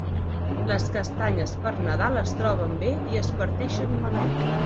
Les castanyes per Nadal es troben bé i es parteixen malament.